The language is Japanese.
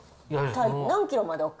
何キロまでＯＫ？